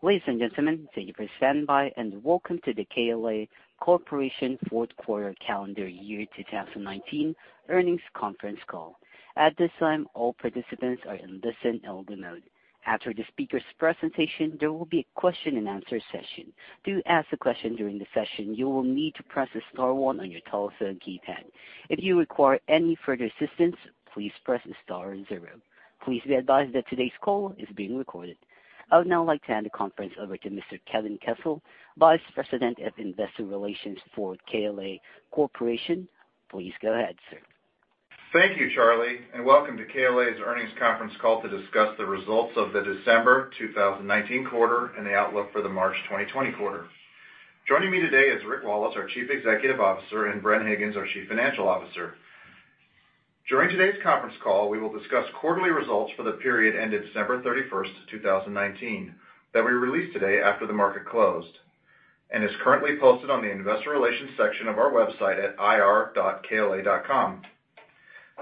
Ladies and gentlemen, thank you for standing by, and welcome to the KLA Corporation fourth quarter calendar year 2019 earnings conference call. At this time, all participants are in listen-only mode. After the speaker's presentation, there will be a question and answer session. To ask a question during the session, you will need to press star one on your telephone keypad. If you require any further assistance, please press star zero. Please be advised that today's call is being recorded. I would now like to hand the conference over to Mr. Kevin Kessel, Vice President of Investor Relations for KLA Corporation. Please go ahead, sir. Thank you, Charlie. Welcome to KLA's earnings conference call to discuss the results of the December 2019 quarter and the outlook for the March 2020 quarter. Joining me today is Rick Wallace, our Chief Executive Officer, and Bren Higgins, our Chief Financial Officer. During today's conference call, we will discuss quarterly results for the period ended December 31st, 2019, that we released today after the market closed, and is currently posted on the investor relations section of our website at ir.kla.com.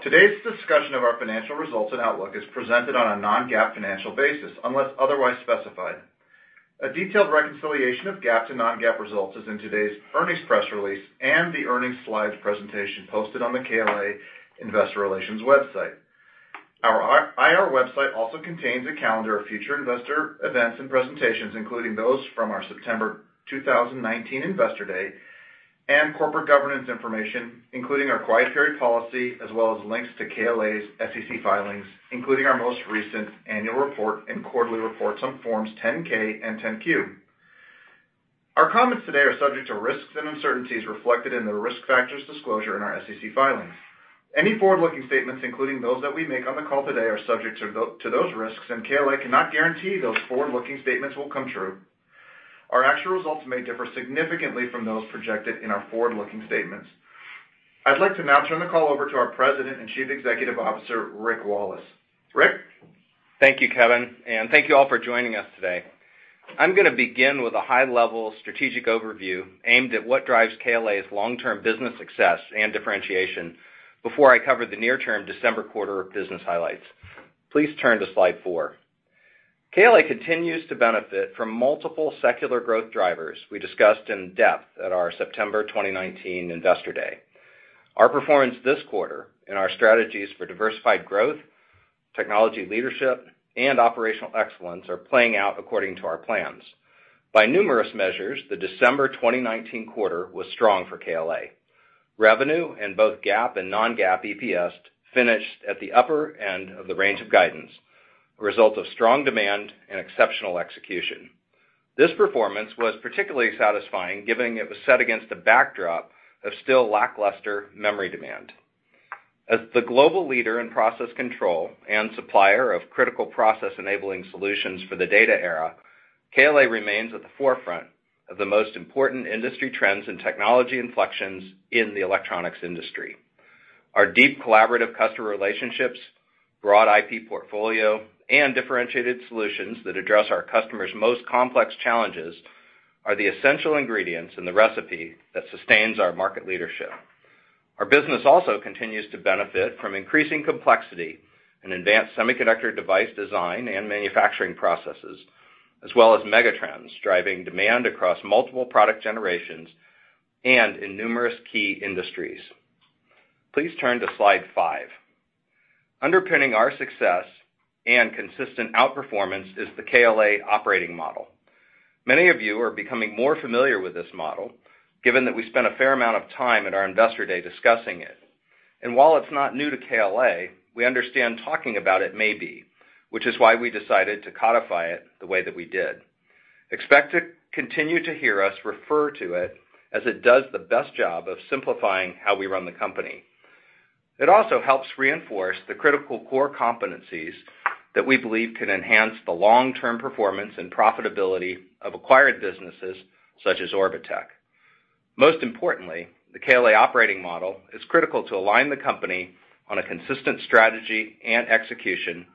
Today's discussion of our financial results and outlook is presented on a non-GAAP financial basis, unless otherwise specified. A detailed reconciliation of GAAP to non-GAAP results is in today's earnings press release and the earnings slides presentation posted on the KLA investor relations website. Our IR website also contains a calendar of future investor events and presentations, including those from our September 2019 investor day and corporate governance information, including our quiet period policy, as well as links to KLA's SEC filings, including our most recent annual report and quarterly reports on Forms 10-K and 10-Q. Our comments today are subject to risks and uncertainties reflected in the risk factors disclosure in our SEC filings. Any forward-looking statements, including those that we make on the call today, are subject to those risks, and KLA cannot guarantee those forward-looking statements will come true. Our actual results may differ significantly from those projected in our forward-looking statements. I'd like to now turn the call over to our President and Chief Executive Officer, Rick Wallace. Rick? Thank you, Kevin, and thank you all for joining us today. I'm going to begin with a high-level strategic overview aimed at what drives KLA's long-term business success and differentiation before I cover the near-term December quarter of business highlights. Please turn to slide four. KLA continues to benefit from multiple secular growth drivers we discussed in depth at our September 2019 Investor Day. Our performance this quarter, and our strategies for diversified growth, technology leadership, and operational excellence are playing out according to our plans. By numerous measures, the December 2019 quarter was strong for KLA. Revenue in both GAAP and non-GAAP EPS finished at the upper end of the range of guidance, a result of strong demand and exceptional execution. This performance was particularly satisfying given it was set against the backdrop of still lackluster memory demand. As the global leader in process control and supplier of critical process-enabling solutions for the data era, KLA remains at the forefront of the most important industry trends and technology inflections in the electronics industry. Our deep collaborative customer relationships, broad IP portfolio, and differentiated solutions that address our customers' most complex challenges are the essential ingredients in the recipe that sustains our market leadership. Our business also continues to benefit from increasing complexity in advanced semiconductor device design and manufacturing processes, as well as megatrends, driving demand across multiple product generations and in numerous key industries. Please turn to slide five. Underpinning our success and consistent outperformance is the KLA Operating Model. Many of you are becoming more familiar with this model, given that we spent a fair amount of time at our investor day discussing it. While it's not new to KLA, we understand talking about it may be, which is why we decided to codify it the way that we did. Expect to continue to hear us refer to it, as it does the best job of simplifying how we run the company. It also helps reinforce the critical core competencies that we believe can enhance the long-term performance and profitability of acquired businesses such as Orbotech. Most importantly, the KLA Operating Model is critical to align the company on a consistent strategy and execution,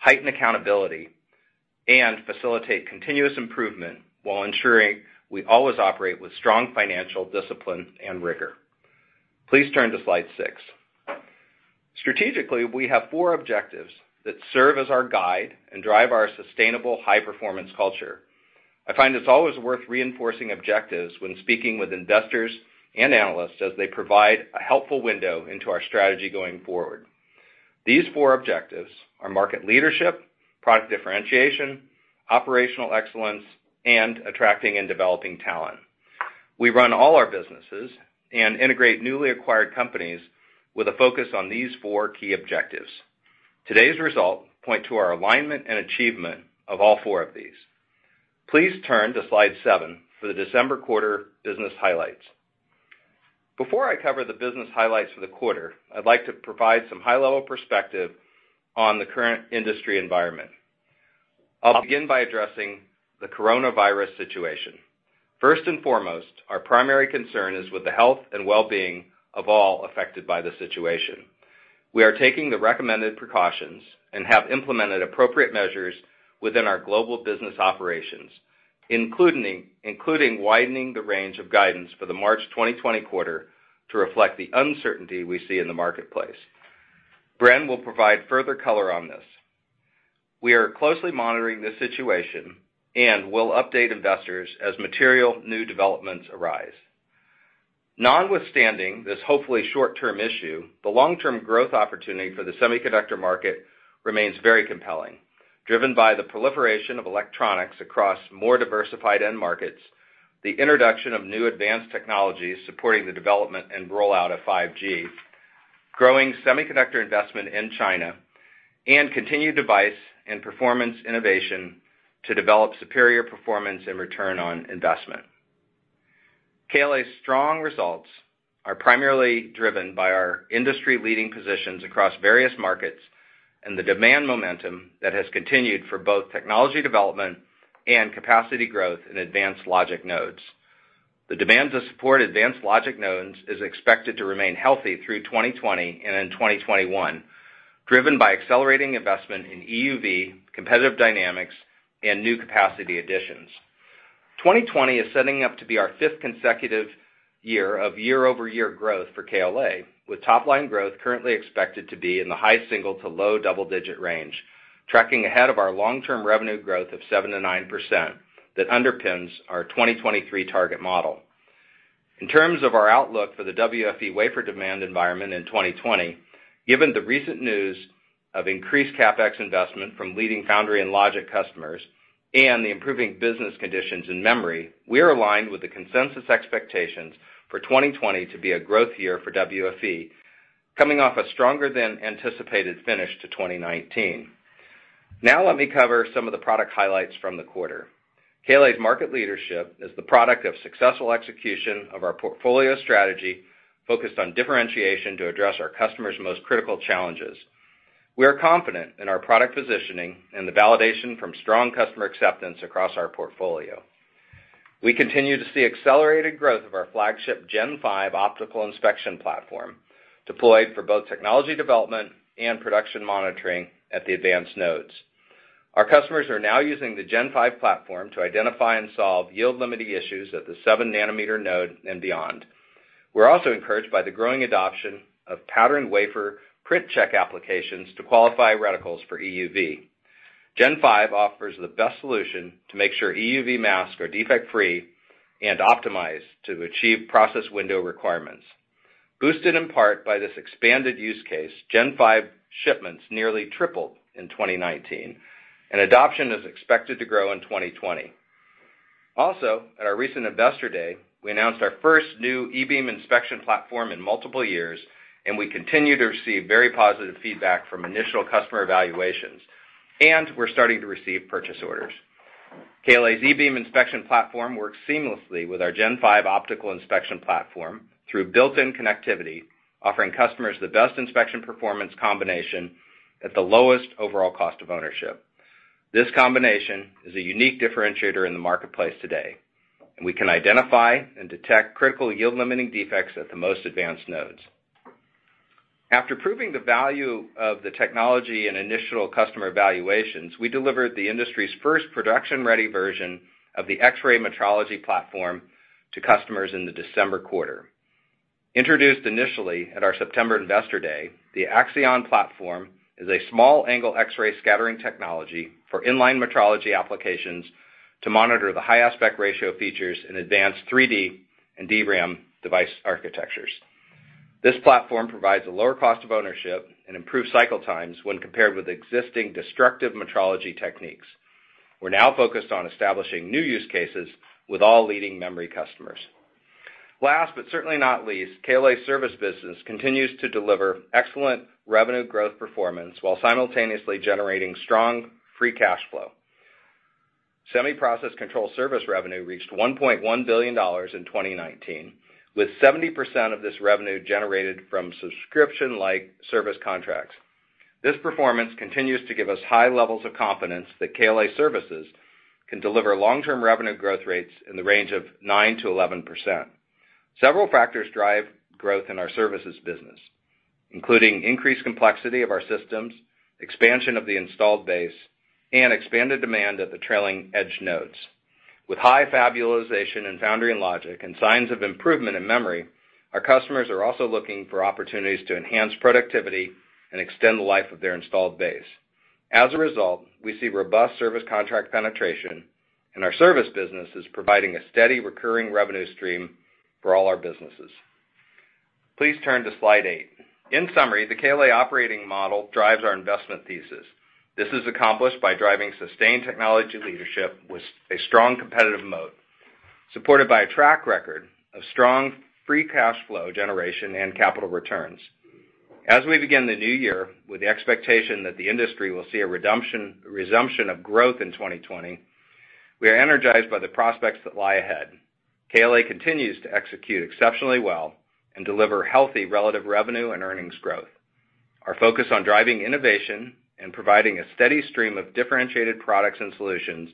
heighten accountability, and facilitate continuous improvement while ensuring we always operate with strong financial discipline and rigor. Please turn to slide six. Strategically, we have four objectives that serve as our guide and drive our sustainable high-performance culture. I find it's always worth reinforcing objectives when speaking with investors and analysts, as they provide a helpful window into our strategy going forward. These four objectives are market leadership, product differentiation, operational excellence, and attracting and developing talent. We run all our businesses and integrate newly acquired companies with a focus on these four key objectives. Today's result point to our alignment and achievement of all four of these. Please turn to slide seven for the December quarter business highlights. Before I cover the business highlights for the quarter, I'd like to provide some high-level perspective on the current industry environment. I'll begin by addressing the coronavirus situation. First and foremost, our primary concern is with the health and wellbeing of all affected by the situation. We are taking the recommended precautions and have implemented appropriate measures within our global business operations including widening the range of guidance for the March 2020 quarter to reflect the uncertainty we see in the marketplace. Bren will provide further color on this. We are closely monitoring this situation and will update investors as material new developments arise. Notwithstanding this hopefully short-term issue, the long-term growth opportunity for the semiconductor market remains very compelling, driven by the proliferation of electronics across more diversified end markets, the introduction of new advanced technologies supporting the development and rollout of 5G, growing semiconductor investment in China, and continued device and performance innovation to develop superior performance and return on investment. KLA's strong results are primarily driven by our industry-leading positions across various markets and the demand momentum that has continued for both technology development and capacity growth in advanced logic nodes. The demands to support advanced logic nodes is expected to remain healthy through 2020 and in 2021, driven by accelerating investment in EUV, competitive dynamics, and new capacity additions. 2020 is setting up to be our fifth consecutive year of year-over-year growth for KLA, with top-line growth currently expected to be in the high single to low double-digit range, tracking ahead of our long-term revenue growth of 7%-9% that underpins our 2023 target model. In terms of our outlook for the WFE wafer demand environment in 2020, given the recent news of increased CapEx investment from leading foundry and logic customers and the improving business conditions in memory, we are aligned with the consensus expectations for 2020 to be a growth year for WFE, coming off a stronger than anticipated finish to 2019. Now let me cover some of the product highlights from the quarter. KLA's market leadership is the product of successful execution of our portfolio strategy focused on differentiation to address our customers' most critical challenges. We are confident in our product positioning and the validation from strong customer acceptance across our portfolio. We continue to see accelerated growth of our flagship Gen 5 optical inspection platform, deployed for both technology development and production monitoring at the advanced nodes. Our customers are now using the Gen 5 platform to identify and solve yield-limiting issues at the 7 nm node and beyond. We're also encouraged by the growing adoption of patterned wafer print check applications to qualify reticles for EUV. Gen 5 offers the best solution to make sure EUV masks are defect-free and optimized to achieve process window requirements. Boosted in part by this expanded use case, Gen 5 shipments nearly tripled in 2019, and adoption is expected to grow in 2020. At our recent Investor Day, we announced our first new e-beam inspection platform in multiple years, and we continue to receive very positive feedback from initial customer evaluations. We're starting to receive purchase orders. KLA's e-beam inspection platform works seamlessly with our Gen 5 optical inspection platform through built-in connectivity, offering customers the best inspection performance combination at the lowest overall cost of ownership. This combination is a unique differentiator in the marketplace today. We can identify and detect critical yield-limiting defects at the most advanced nodes. After proving the value of the technology in initial customer evaluations, we delivered the industry's first production-ready version of the X-ray metrology platform to customers in the December quarter. Introduced initially at our September Investor Day, the Axion platform is a small-angle X-ray scattering technology for in-line metrology applications to monitor the high aspect ratio features in advanced 3D and DRAM device architectures. This platform provides a lower cost of ownership and improved cycle times when compared with existing destructive metrology techniques. We're now focused on establishing new use cases with all leading memory customers. Last, but certainly not least, KLA's service business continues to deliver excellent revenue growth performance while simultaneously generating strong free cash flow. Semi-process control service revenue reached $1.1 billion in 2019, with 70% of this revenue generated from subscription-like service contracts. This performance continues to give us high levels of confidence that KLA Services can deliver long-term revenue growth rates in the range of 9%-11%. Several factors drive growth in our services business, including increased complexity of our systems, expansion of the installed base, and expanded demand at the trailing edge nodes. With high fab utilization in foundry and logic and signs of improvement in memory, our customers are also looking for opportunities to enhance productivity and extend the life of their installed base. As a result, we see robust service contract penetration, and our service business is providing a steady recurring revenue stream for all our businesses. Please turn to slide eight. In summary, the KLA operating model drives our investment thesis. This is accomplished by driving sustained technology leadership with a strong competitive moat, supported by a track record of strong free cash flow generation and capital returns. As we begin the new year with the expectation that the industry will see a resumption of growth in 2020, we are energized by the prospects that lie ahead. KLA continues to execute exceptionally well and deliver healthy relative revenue and earnings growth. Our focus on driving innovation and providing a steady stream of differentiated products and solutions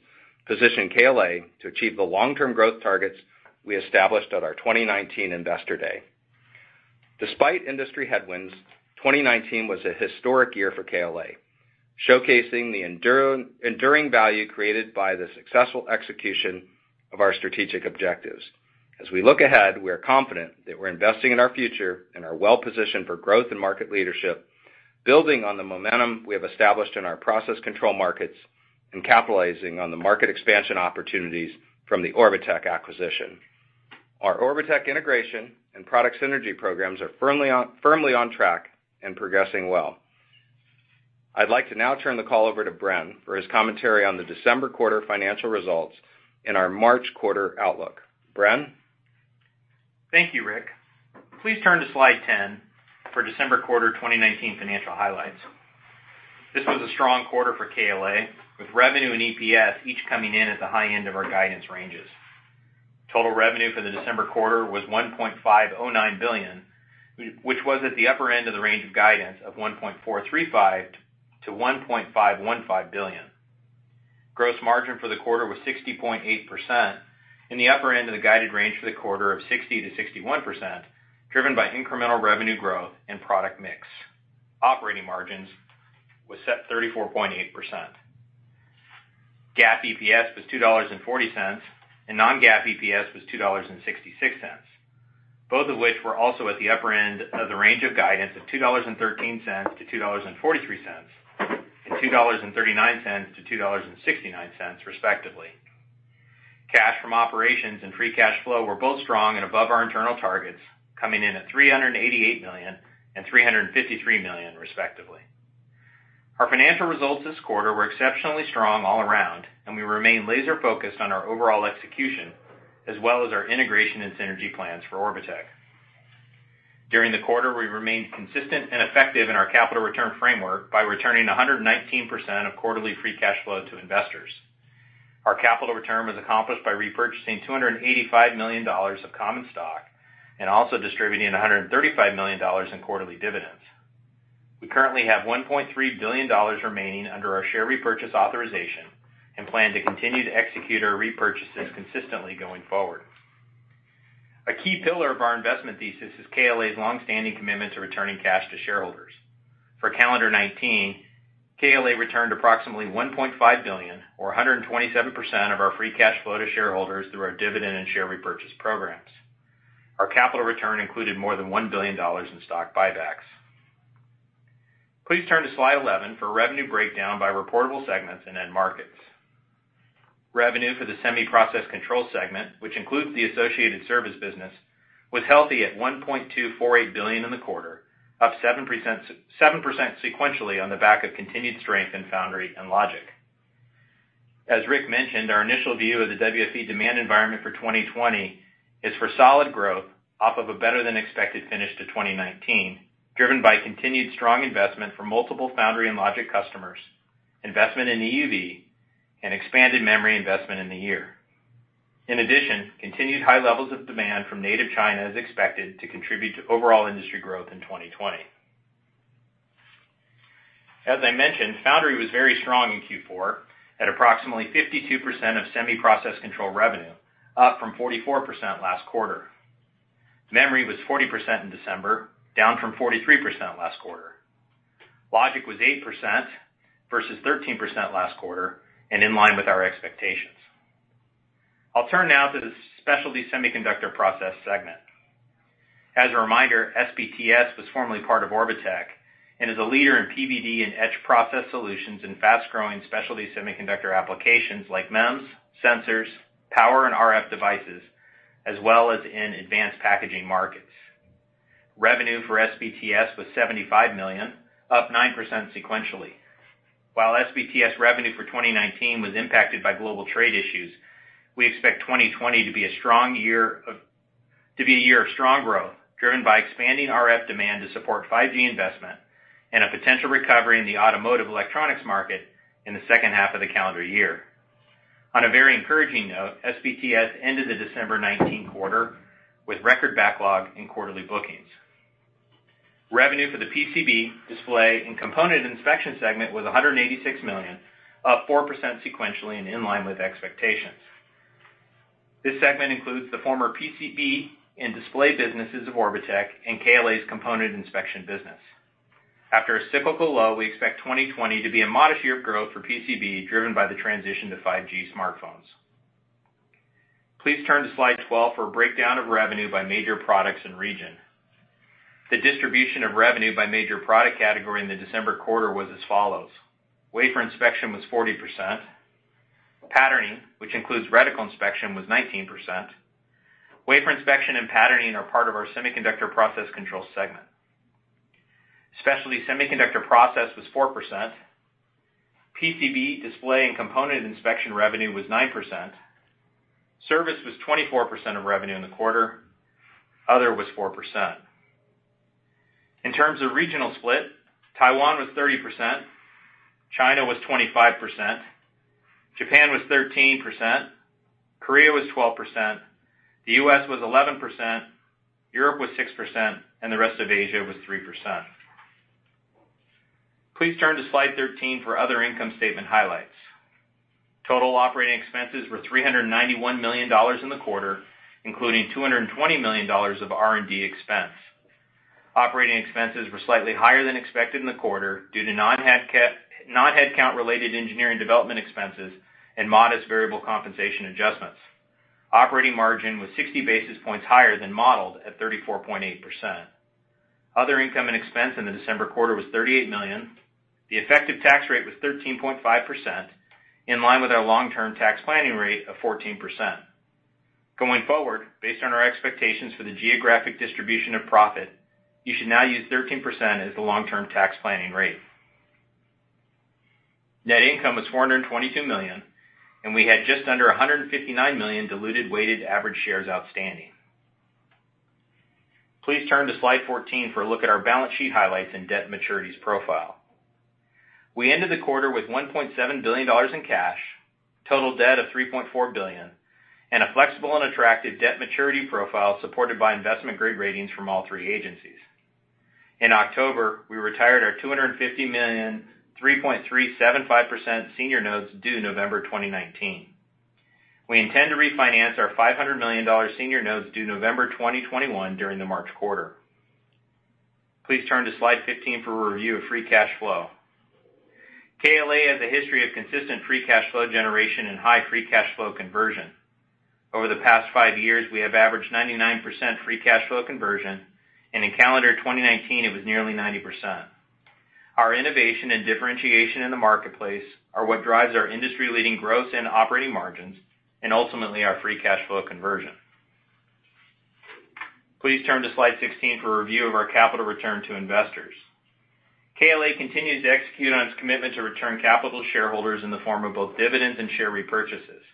position KLA to achieve the long-term growth targets we established at our 2019 Investor Day. Despite industry headwinds, 2019 was a historic year for KLA, showcasing the enduring value created by the successful execution of our strategic objectives. As we look ahead, we are confident that we're investing in our future and are well-positioned for growth and market leadership, building on the momentum we have established in our process control markets and capitalizing on the market expansion opportunities from the Orbotech acquisition. Our Orbotech integration and product synergy programs are firmly on track and progressing well. I'd like to now turn the call over to Bren for his commentary on the December quarter financial results and our March quarter outlook. Bren? Thank you, Rick. Please turn to slide 10 for December quarter 2019 financial highlights. This was a strong quarter for KLA, with revenue and EPS each coming in at the high end of our guidance ranges. Total revenue for the December quarter was $1.509 billion, which was at the upper end of the range of guidance of $1.435 billion-$1.515 billion. Gross margin for the quarter was 60.8%, in the upper end of the guided range for the quarter of 60%-61%, driven by incremental revenue growth and product mix. Operating margin was set 34.8%. GAAP EPS was $2.40, and non-GAAP EPS was $2.66, both of which were also at the upper end of the range of guidance of $2.13-$2.43, and $2.39-$2.69, respectively. Cash from operations and free cash flow were both strong and above our internal targets, coming in at $388 million and $353 million, respectively. Our financial results this quarter were exceptionally strong all around, and we remain laser-focused on our overall execution, as well as our integration and synergy plans for Orbotech. During the quarter, we remained consistent and effective in our capital return framework by returning 119% of quarterly free cash flow to investors. Our capital return was accomplished by repurchasing $285 million of common stock and also distributing $135 million in quarterly dividends. We currently have $1.3 billion remaining under our share repurchase authorization and plan to continue to execute our repurchases consistently going forward. A key pillar of our investment thesis is KLA's longstanding commitment to returning cash to shareholders. For calendar 2019, KLA returned approximately $1.5 billion, or 127%, of our free cash flow to shareholders through our dividend and share repurchase programs. Our capital return included more than $1 billion in stock buybacks. Please turn to slide 11 for revenue breakdown by reportable segments and end markets. Revenue for the Semi-Process Control segment, which includes the associated service business, was healthy at $1.248 billion in the quarter, up 7% sequentially on the back of continued strength in foundry and logic. As Rick mentioned, our initial view of the WFE demand environment for 2020 is for solid growth off of a better-than-expected finish to 2019, driven by continued strong investment from multiple foundry and logic customers, investment in EUV, and expanded memory investment in the year. Continued high levels of demand from native China is expected to contribute to overall industry growth in 2020. As I mentioned, foundry was very strong in Q4 at approximately 52% of semi-process control revenue, up from 44% last quarter. Memory was 40% in December, down from 43% last quarter. Logic was 8% versus 13% last quarter and in line with our expectations. I'll turn now to the Specialty Semiconductor Process Segment. As a reminder, SPTS was formerly part of Orbotech and is a leader in PVD and etch process solutions in fast-growing specialty semiconductor applications like MEMS, sensors, power and RF devices, as well as in advanced packaging markets. Revenue for SPTS was $75 million, up 9% sequentially. While SPTS revenue for 2019 was impacted by global trade issues, we expect 2020 to be a year of strong growth, driven by expanding RF demand to support 5G investment and a potential recovery in the automotive electronics market in the second half of the calendar year. On a very encouraging note, SPTS ended the December 2019 quarter with record backlog in quarterly bookings. Revenue for the PCB, display, and component inspection segment was $186 million, up 4% sequentially and in line with expectations. This segment includes the former PCB and display businesses of Orbotech and KLA's component inspection business. After a cyclical low, we expect 2020 to be a modest year of growth for PCB, driven by the transition to 5G smartphones. Please turn to slide 12 for a breakdown of revenue by major products and region. The distribution of revenue by major product category in the December quarter was as follows: wafer inspection was 40%, patterning, which includes reticle inspection, was 19%. Wafer inspection and patterning are part of our Semiconductor Process Control segment. Specialty Semiconductor Process was 4%. PCB display, and component inspection revenue was 9%. Service was 24% of revenue in the quarter. Other was 4%. In terms of regional split, Taiwan was 30%, China was 25%, Japan was 13%, Korea was 12%, the U.S. was 11%, Europe was 6%, and the rest of Asia was 3%. Please turn to slide 13 for other income statement highlights. Total operating expenses were $391 million in the quarter, including $220 million of R&D expense. Operating expenses were slightly higher than expected in the quarter due to non-headcount-related engineering development expenses and modest variable compensation adjustments. Operating margin was 60 basis points higher than modeled at 34.8%. Other income and expense in the December quarter was $38 million. The effective tax rate was 13.5%, in line with our long-term tax planning rate of 14%. Going forward, based on our expectations for the geographic distribution of profit, you should now use 13% as the long-term tax planning rate. Net income was $422 million, and we had just under 159 million diluted weighted average shares outstanding. Please turn to slide 14 for a look at our balance sheet highlights and debt maturities profile. We ended the quarter with $1.7 billion in cash, total debt of $3.4 billion, and a flexible and attractive debt maturity profile supported by investment-grade ratings from all three agencies. In October, we retired our $250 million, 3.375% senior notes due November 2019. We intend to refinance our $500 million senior notes due November 2021 during the March quarter. Please turn to slide 15 for a review of free cash flow. KLA has a history of consistent free cash flow generation and high free cash flow conversion. Over the past five years, we have averaged 99% free cash flow conversion, and in calendar 2019, it was nearly 90%. Our innovation and differentiation in the marketplace are what drives our industry-leading growth and operating margins, and ultimately our free cash flow conversion. Please turn to slide 16 for a review of our capital return to investors. KLA continues to execute on its commitment to return capital to shareholders in the form of both dividends and share repurchases.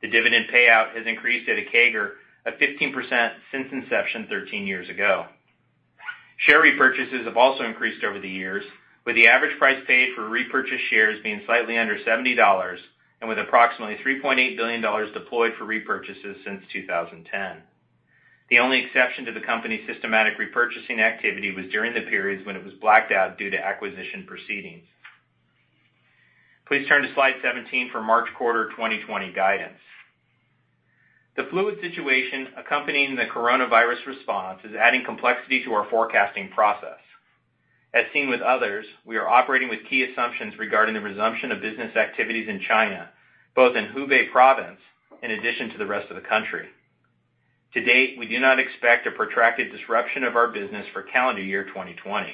The dividend payout has increased at a CAGR of 15% since inception 13 years ago. Share repurchases have also increased over the years, with the average price paid for repurchase shares being slightly under $70, and with approximately $3.8 billion deployed for repurchases since 2010. The only exception to the company's systematic repurchasing activity was during the periods when it was blacked out due to acquisition proceedings. Please turn to slide 17 for March quarter 2020 guidance. The fluid situation accompanying the coronavirus response is adding complexity to our forecasting process. As seen with others, we are operating with key assumptions regarding the resumption of business activities in China, both in Hubei province, in addition to the rest of the country. To date, we do not expect a protracted disruption of our business for calendar year 2020.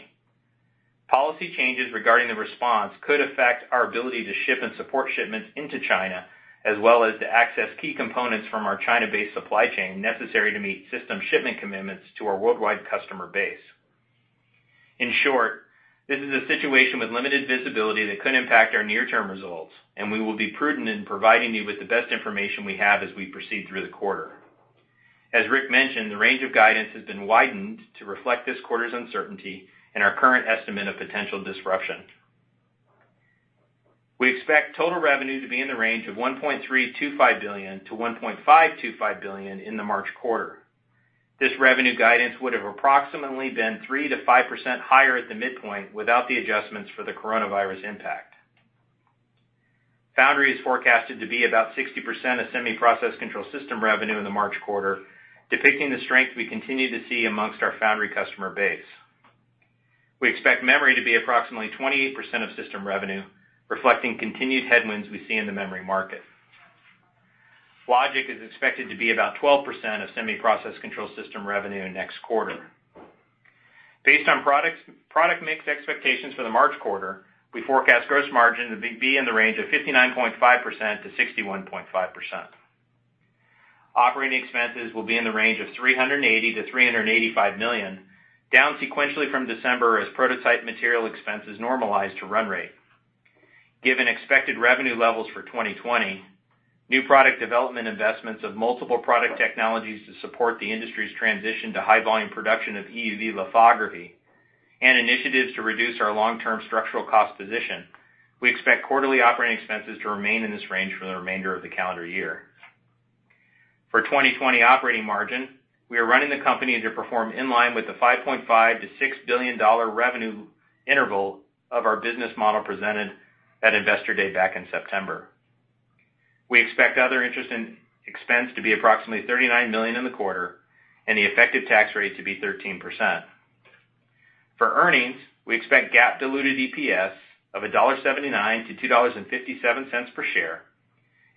Policy changes regarding the response could affect our ability to ship and support shipments into China, as well as to access key components from our China-based supply chain necessary to meet system shipment commitments to our worldwide customer base. In short, this is a situation with limited visibility that could impact our near-term results, and we will be prudent in providing you with the best information we have as we proceed through the quarter. As Rick mentioned, the range of guidance has been widened to reflect this quarter's uncertainty and our current estimate of potential disruption. We expect total revenue to be in the range of $1.325 billion-$1.525 billion in the March quarter. This revenue guidance would have approximately been 3%-5% higher at the midpoint without the adjustments for the coronavirus impact. Foundry is forecasted to be about 60% of semi-process control system revenue in the March quarter, depicting the strength we continue to see amongst our foundry customer base. We expect memory to be approximately 28% of system revenue, reflecting continued headwinds we see in the memory market. logic is expected to be about 12% of semi-process control system revenue next quarter. Based on product mix expectations for the March quarter, we forecast gross margin to be in the range of 59.5%-61.5%. Operating expenses will be in the range of $380 million-$385 million, down sequentially from December as prototype material expenses normalize to run rate. Given expected revenue levels for 2020, new product development investments of multiple product technologies to support the industry's transition to high-volume production of EUV lithography, and initiatives to reduce our long-term structural cost position, we expect quarterly operating expenses to remain in this range for the remainder of the calendar year. For 2020 operating margin, we are running the company to perform in line with the $5.5 billion-$6 billion revenue interval of our business model presented at Investor Day back in September. We expect other interest and expense to be approximately $39 million in the quarter, and the effective tax rate to be 13%. For earnings, we expect GAAP diluted EPS of $1.79-$2.57 per share,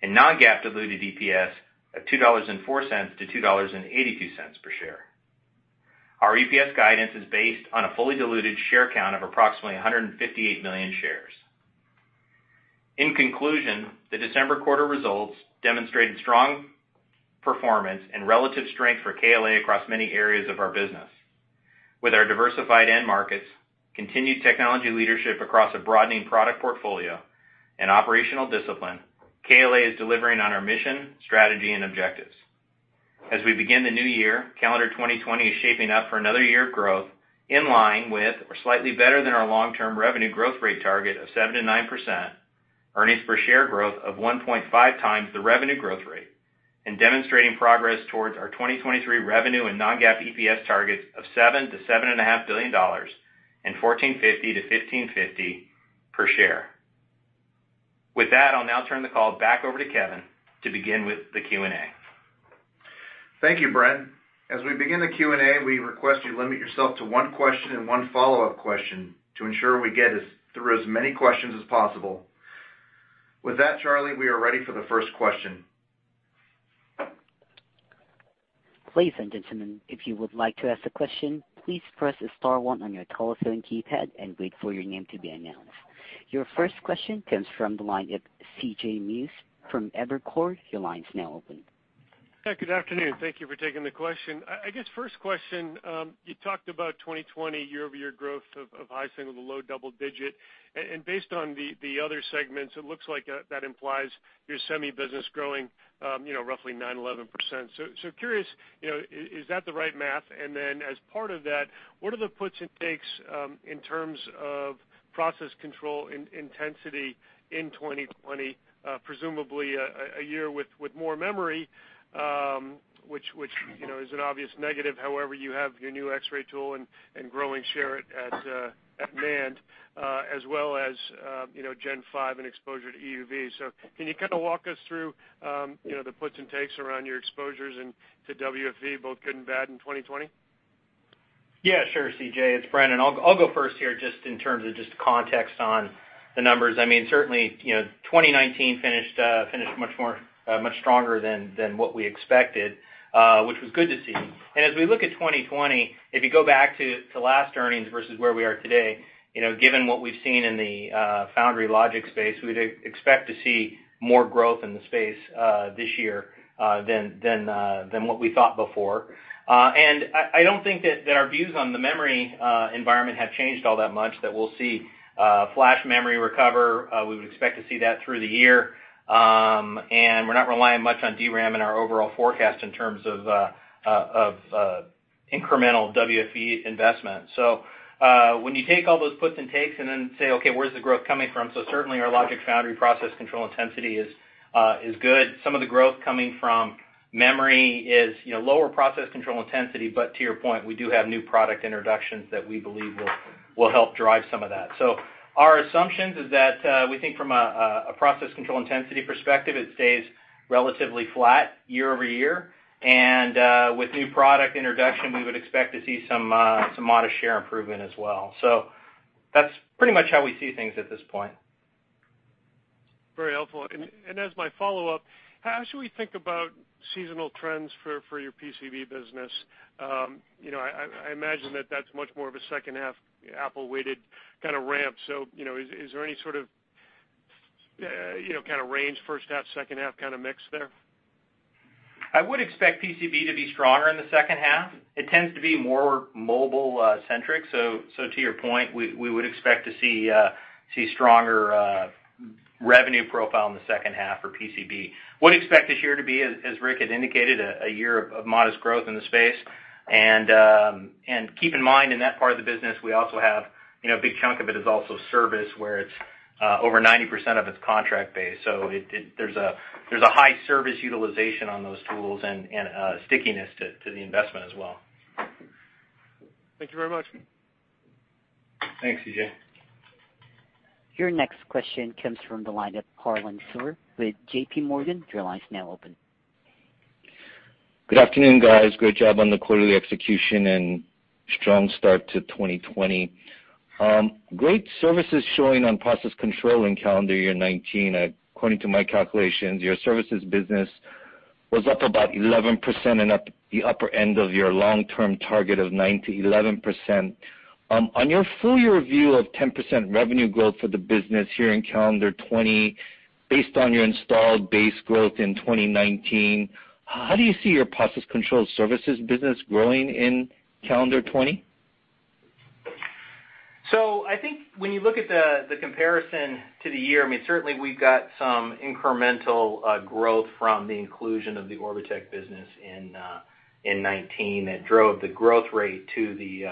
and non-GAAP diluted EPS of $2.04-$2.82 per share. Our EPS guidance is based on a fully diluted share count of approximately 158 million shares. In conclusion, the December quarter results demonstrated strong performance and relative strength for KLA across many areas of our business. With our diversified end markets, continued technology leadership across a broadening product portfolio, and operational discipline, KLA is delivering on our mission, strategy, and objectives. As we begin the new year, calendar 2020 is shaping up for another year of growth in line with or slightly better than our long-term revenue growth rate target of 7%-9%, earnings per share growth of 1.5x the revenue growth rate. Demonstrating progress towards our 2023 revenue and non-GAAP EPS targets of $7 billion-$7.5 billion and $14.50-$15.50 per share. With that, I'll now turn the call back over to Kevin to begin with the Q&A. Thank you, Bren. As we begin the Q&A, we request you limit yourself to one question and one follow-up question to ensure we get through as many questions as possible. With that, Charlie, we are ready for the first question. Ladies and gentlemen, if you would like to ask a question, please press star one on your telephone keypad and wait for your name to be announced. Your first question comes from the line of C.J. Muse from Evercore. Your line's now open. Yeah, good afternoon. Thank you for taking the question. I guess first question, you talked about 2020 year-over-year growth of high single to low double digit. Based on the other segments, it looks like that implies your semi business growing roughly 9%-11%. Curious, is that the right math? As part of that, what are the puts and takes in terms of process control in intensity in 2020, presumably a year with more memory, which is an obvious negative, however, you have your new X-ray tool and growing share at NAND, as well as Gen 5 and exposure to EUV. Can you kind of walk us through the puts and takes around your exposures to WFE, both good and bad in 2020? Yeah, sure, CJ. It's Bren. I'll go first here just in terms of just context on the numbers. Certainly, 2019 finished much stronger than what we expected, which was good to see. As we look at 2020, if you go back to last earnings versus where we are today, given what we've seen in the foundry logic space, we'd expect to see more growth in the space this year than what we thought before. I don't think that our views on the memory environment have changed all that much that we'll see flash memory recover. We would expect to see that through the year. We're not relying much on DRAM in our overall forecast in terms of incremental WFE investment. When you take all those puts and takes and then say, okay, where's the growth coming from? Certainly our logic foundry process control intensity is good. Some of the growth coming from memory is lower process control intensity. To your point, we do have new product introductions that we believe will help drive some of that. Our assumptions is that we think from a process control intensity perspective, it stays relatively flat year-over-year. With new product introduction, we would expect to see some modest share improvement as well. That's pretty much how we see things at this point. Very helpful. As my follow-up, how should we think about seasonal trends for your PCB business? I imagine that that's much more of a second half Apple-weighted kind of ramp. Is there any sort of range first half, second half kind of mix there? I would expect PCB to be stronger in the second half. It tends to be more mobile-centric. To your point, we would expect to see stronger revenue profile in the second half for PCB. Would expect this year to be, as Rick had indicated, a year of modest growth in the space. Keep in mind, in that part of the business, we also have a big chunk of it is also service where it's over 90% of it is contract-based. There's a high service utilization on those tools and a stickiness to the investment as well. Thank you very much. Thanks, C.J. Your next question comes from the line of Harlan Sur with JPMorgan. Your line is now open. Good afternoon, guys. Great job on the quarterly execution and strong start to 2020. Great services showing on process control in calendar year 2019. According to my calculations, your services business was up about 11% and at the upper end of your long-term target of 9%-11%. On your full year view of 10% revenue growth for the business here in calendar 2020, based on your installed base growth in 2019, how do you see your process control services business growing in calendar 2020? I think when you look at the comparison to the year, certainly we've got some incremental growth from the inclusion of the Orbotech business in 2019 that drove the growth rate to the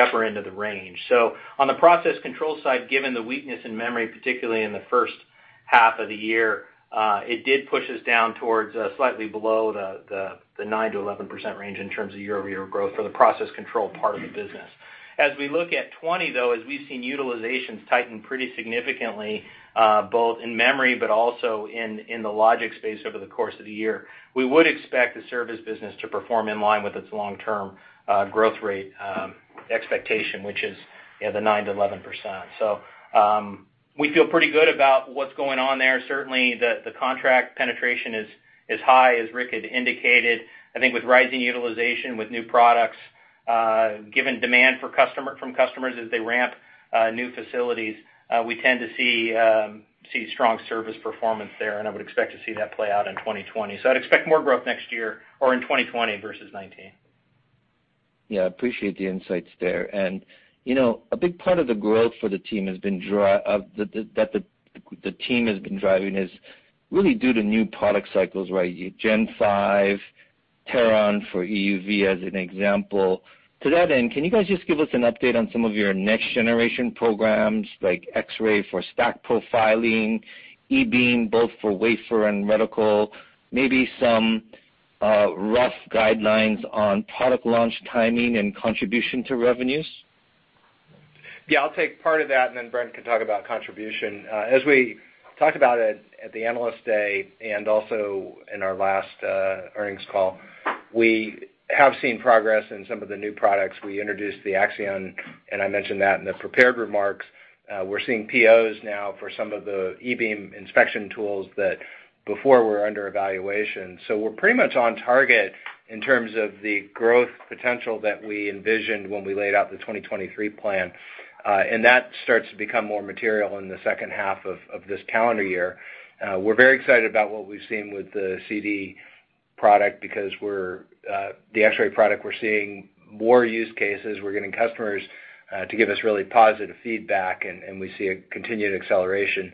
upper end of the range. On the process control side, given the weakness in memory, particularly in the first half of the year, it did push us down towards slightly below the 9%-11% range in terms of year-over-year growth for the process control part of the business. As we look at 2020, though, as we've seen utilizations tighten pretty significantly, both in memory but also in the logic space over the course of the year, we would expect the service business to perform in line with its long-term growth rate expectation, which is the 9%-11%. We feel pretty good about what's going on there. Certainly, the contract penetration is high, as Rick had indicated. I think with rising utilization, with new products, given demand from customers as they ramp new facilities, we tend to see strong service performance there, and I would expect to see that play out in 2020. I'd expect more growth next year or in 2020 versus 2019. Yeah, appreciate the insights there. A big part of the growth that the team has been driving is really due to new product cycles, Gen 5 Teron for EUV as an example. To that end, can you guys just give us an update on some of your next generation programs like Axion for stack profiling, e-beam, both for wafer and reticle, maybe some rough guidelines on product launch timing and contribution to revenues? Yeah, I'll take part of that, then Bren can talk about contribution. As we talked about it at the Analyst Day and also in our last earnings call, we have seen progress in some of the new products. We introduced the Axion, I mentioned that in the prepared remarks. We're seeing POs now for some of the e-beam inspection tools that before were under evaluation. We're pretty much on target in terms of the growth potential that we envisioned when we laid out the 2023 plan. That starts to become more material in the second half of this calendar year. We're very excited about what we've seen with the CD product because the X-ray product, we're seeing more use cases. We're getting customers to give us really positive feedback, we see a continued acceleration.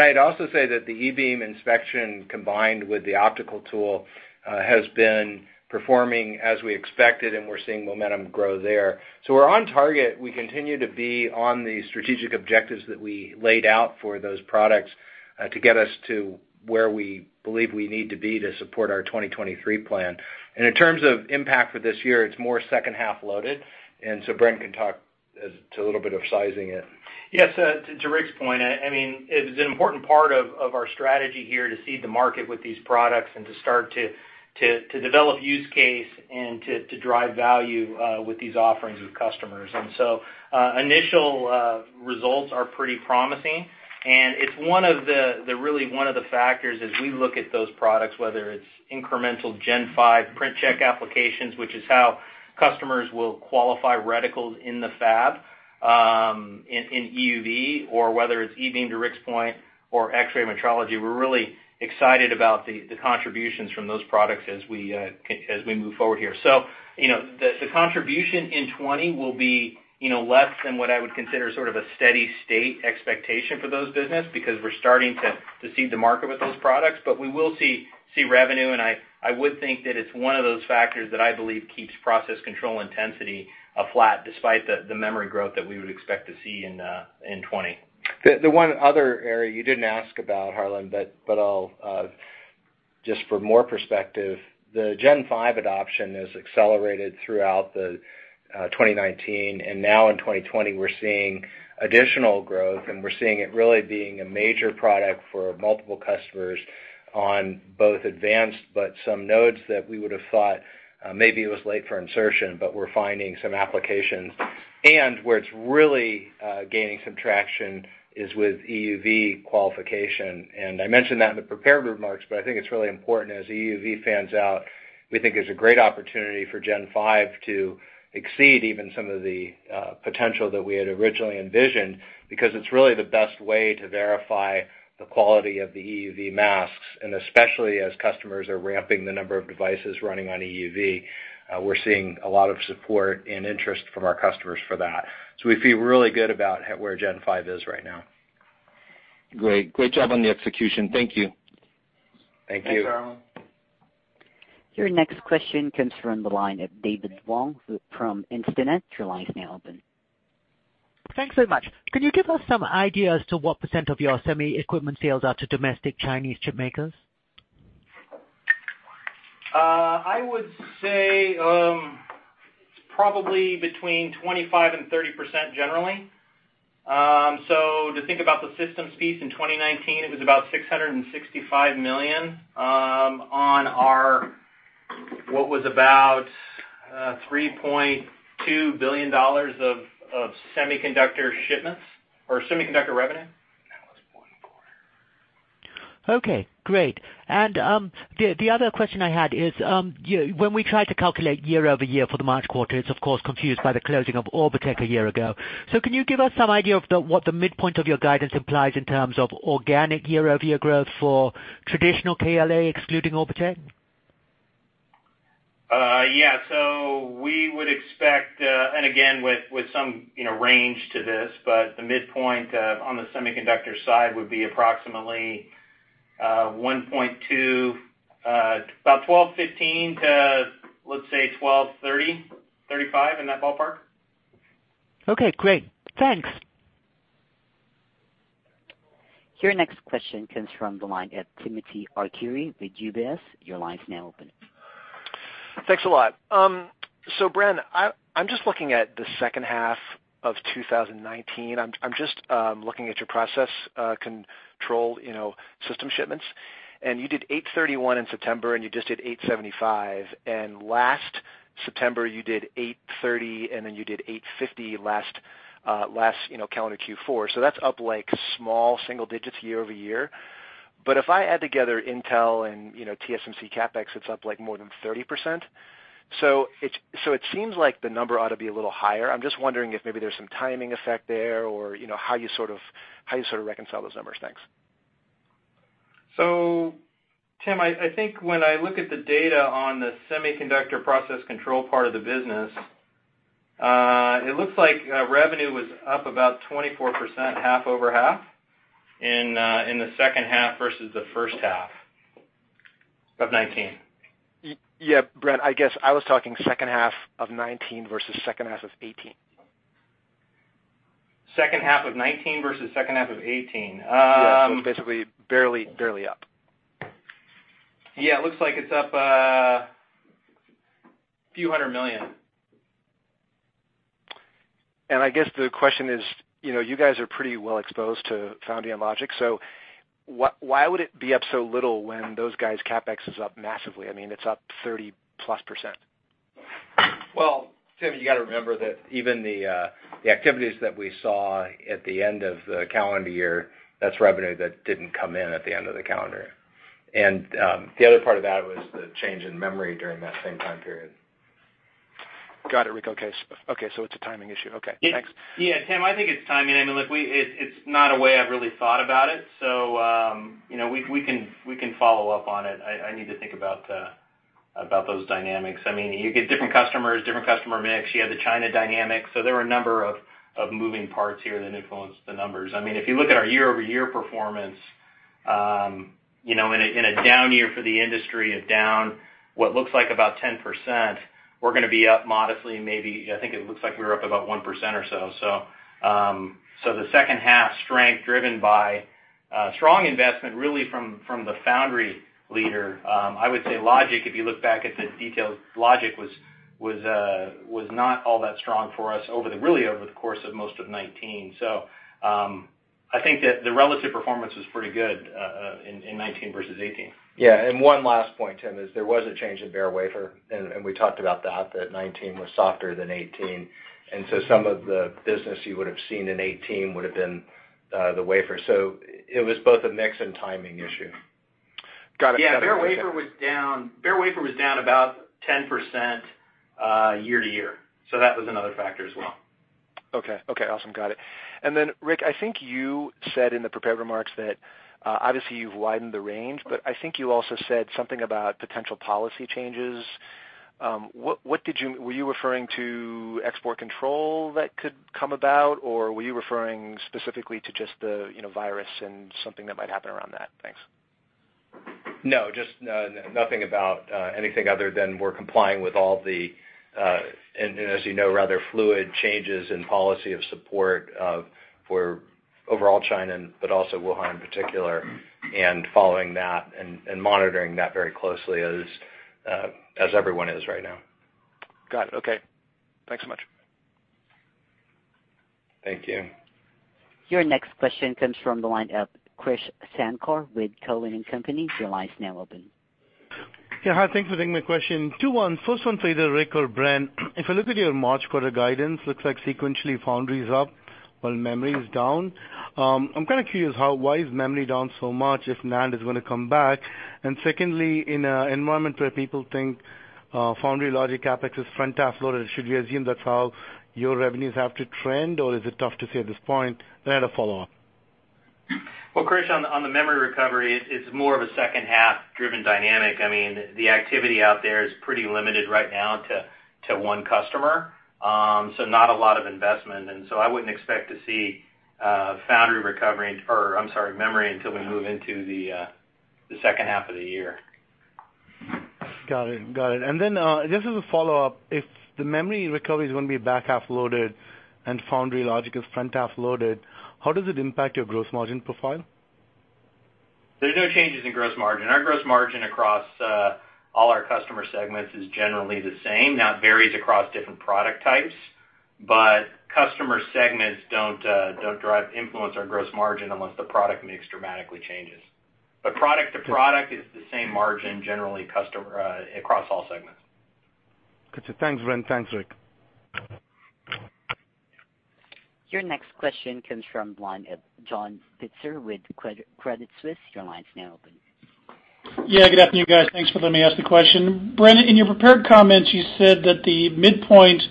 I'd also say that the e-beam inspection, combined with the optical tool, has been performing as we expected, and we're seeing momentum grow there. We're on target. We continue to be on the strategic objectives that we laid out for those products to get us to where we believe we need to be to support our 2023 plan. In terms of impact for this year, it's more second-half loaded. Bren can talk to a little bit of sizing it. Yes. To Rick's point, it is an important part of our strategy here to seed the market with these products and to start to develop use case and to drive value with these offerings with customers. Initial results are pretty promising, and it's really one of the factors as we look at those products, whether it's incremental Gen 5 print check applications, which is how customers will qualify reticles in the fab, in EUV, or whether it's e-beam, to Rick's point, or X-ray metrology. We're really excited about the contributions from those products as we move forward here. The contribution in 2020 will be less than what I would consider sort of a steady state expectation for those businesses because we're starting to seed the market with those products. We will see revenue, and I would think that it's one of those factors that I believe keeps process control intensity flat despite the memory growth that we would expect to see in 2020. The one other area you didn't ask about, Harlan, but just for more perspective, the Gen 5 adoption has accelerated throughout 2019, and now in 2020, we're seeing additional growth, and we're seeing it really being a major product for multiple customers on both advanced, but some nodes that we would have thought maybe it was late for insertion, but we're finding some applications. Where it's really gaining some traction is with EUV qualification. I mentioned that in the prepared remarks, but I think it's really important as EUV fans out, we think it's a great opportunity for Gen 5 to exceed even some of the potential that we had originally envisioned because it's really the best way to verify the quality of the EUV masks, and especially as customers are ramping the number of devices running on EUV. We're seeing a lot of support and interest from our customers for that. We feel really good about where Gen 5 is right now. Great. Great job on the execution. Thank you. Thank you. Thanks, Harlan. Your next question comes from the line of David Wong from Instinet. Your line is now open. Thanks so much. Could you give us some idea as to what percentage of your semi equipment sales are to domestic Chinese chip makers? I would say it's probably between 25% and 30% generally. To think about the systems piece in 2019, it was about $665 million on our what was about $3.2 billion of semiconductor shipments or semiconductor revenue. Okay, great. The other question I had is, when we try to calculate year-over-year for the March quarter, it's of course confused by the closing of Orbotech a year ago. Can you give us some idea of what the midpoint of your guidance implies in terms of organic year-over-year growth for traditional KLA excluding Orbotech? Yeah. We would expect, and again, with some range to this, but the midpoint on the semiconductor side would be approximately about $1,215 to, let's say $1,230, $35, in that ballpark. Okay, great. Thanks. Your next question comes from the line at Timothy Arcuri with UBS. Your line is now open. Thanks a lot. Bren, I'm just looking at the second half of 2019. I'm just looking at your process control system shipments. You did 831 in September, and you just did 875. Last September, you did 830, and then you did 850 last calendar Q4. That's up small single digits year-over-year. If I add together Intel and TSMC CapEx, it's up more than 30%. It seems like the number ought to be a little higher. I'm just wondering if maybe there's some timing effect there or how you sort of reconcile those numbers? Thanks. Tim, I think when I look at the data on the semiconductor process control part of the business. It looks like revenue was up about 24%, half over half in the second half versus the first half of 2019. Yeah, Bren, I guess I was talking second half of 2019 versus second half of 2018. Second half of 2019 versus second half of 2018. Yeah. basically barely up. Yeah, it looks like it's up a few $100 million. I guess the question is, you guys are pretty well exposed to foundry and logic, so why would it be up so little when those guys' CapEx is up massively? It's up 30%+? Well, Tim, you got to remember that even the activities that we saw at the end of the calendar year, that's revenue that didn't come in at the end of the calendar. The other part of that was the change in memory during that same time period. Got it, Rick. Okay. It's a timing issue. Okay, thanks. Yeah, Tim, I think it's timing. It's not a way I've really thought about it, so we can follow up on it. I need to think about those dynamics. You get different customers, different customer mix. You have the China dynamics. There were a number of moving parts here that influenced the numbers. If you look at our year-over-year performance in a down year for the industry, down what looks like about 10%, we're going to be up modestly, maybe, I think it looks like we were up about 1% or so. The second half strength driven by strong investment really from the foundry leader. I would say logic, if you look back at the details, logic was not all that strong for us really over the course of most of 2019. I think that the relative performance was pretty good in 2019 versus 2018. Yeah, one last point, Tim, is there was a change in bare wafer, and we talked about that 2019 was softer than 2018. Some of the business you would have seen in 2018 would have been the wafer. It was both a mix and timing issue. Got it. Yeah, bare wafer was down about 10% year-to-year. That was another factor as well. Okay. Awesome. Got it. Then Rick, I think you said in the prepared remarks that, obviously you've widened the range, but I think you also said something about potential policy changes. Were you referring to export control that could come about, or were you referring specifically to just the virus and something that might happen around that? Thanks. No, just nothing about anything other than we're complying with all the, as you know, rather fluid changes in policy of support for overall China, but also Wuhan in particular, and following that and monitoring that very closely as everyone is right now. Got it. Okay. Thanks so much. Thank you. Your next question comes from the line of Krish Sankar with Cowen and Company. Your line is now open. Yeah, hi. Thanks for taking my question. Two, one. First one for either Rick or Bren. If I look at your March quarter guidance, looks like sequentially foundry is up, while memory is down. I'm kind of curious, why is memory down so much if NAND is going to come back? Secondly, in an environment where people think foundry logic CapEx is front-half loaded, should we assume that's how your revenues have to trend, or is it tough to say at this point? I had a follow-up. Well, Krish, on the memory recovery, it's more of a second-half driven dynamic. The activity out there is pretty limited right now to one customer. Not a lot of investment, I wouldn't expect to see foundry recovery, or I'm sorry, memory, until we move into the second half of the year. Got it. Just as a follow-up, if the memory recovery is going to be back-half loaded and foundry logic is front-half loaded, how does it impact your gross margin profile? There's no changes in gross margin. Our gross margin across all our customer segments is generally the same. It varies across different product types, but customer segments don't drive influence our gross margin unless the product mix dramatically changes. Product to product is the same margin generally across all segments. Got you. Thanks, Bren. Thanks, Rick. Your next question comes from the line of John Pitzer with Credit Suisse. Your line is now open. Yeah, good afternoon, guys. Thanks for letting me ask the question. Bren, in your prepared comments, you said that the midpoint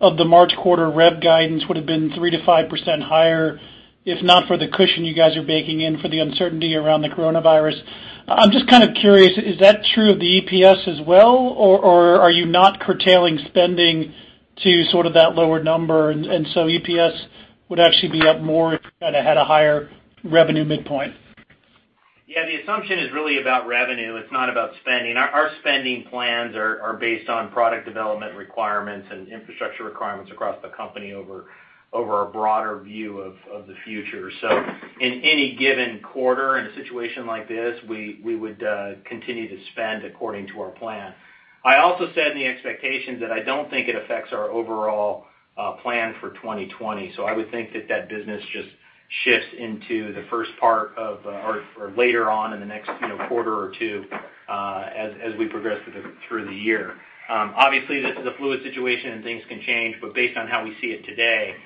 of the March quarter rev guidance would have been 3%-5% higher, if not for the cushion you guys are baking in for the uncertainty around the coronavirus. I'm just kind of curious, is that true of the EPS as well, or are you not curtailing spending to sort of that lower number? EPS would actually be up more if you kind of had a higher revenue midpoint? Yeah, the assumption is really about revenue. It's not about spending. Our spending plans are based on product development requirements and infrastructure requirements across the company over a broader view of the future. In any given quarter in a situation like this, we would continue to spend according to our plan. I also said in the expectations that I don't think it affects our overall plan for 2020. I would think that that business just shifts into the first part of, or later on in the next quarter or two, as we progress through the year. Obviously, this is a fluid situation and things can change, but based on how we see it today,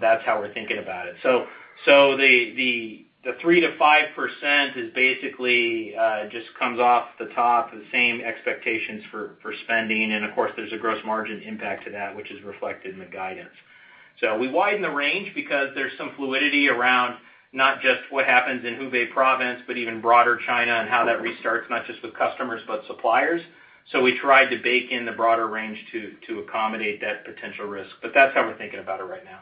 that's how we're thinking about it. The 3%-5% is basically just comes off the top of the same expectations for spending, and of course, there's a gross margin impact to that, which is reflected in the guidance. We widen the range because there's some fluidity around not just what happens in Hubei province, but even broader China and how that restarts, not just with customers, but suppliers. We tried to bake in the broader range to accommodate that potential risk. That's how we're thinking about it right now.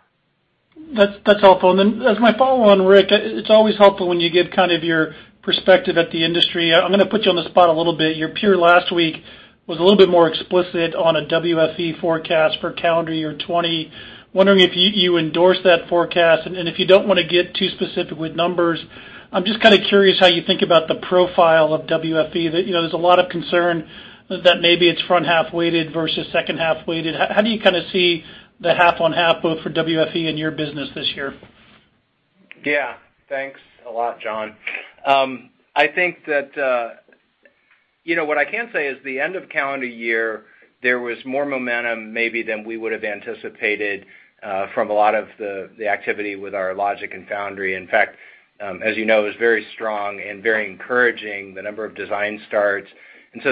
That's helpful. Then as my follow-on, Rick, it's always helpful when you give kind of your perspective at the industry. I'm going to put you on the spot a little bit. Your peer last week was a little bit more explicit on a WFE forecast for calendar year 2020. Wondering if you endorse that forecast, if you don't want to get too specific with numbers, I'm just kind of curious how you think about the profile of WFE. There's a lot of concern that maybe it's front-half weighted versus second-half weighted. How do you kind of see the half-on-half both for WFE and your business this year? Thanks a lot, John. What I can say is the end of calendar year, there was more momentum maybe than we would have anticipated from a lot of the activity with our logic and foundry. In fact, as you know, it was very strong and very encouraging, the number of design starts.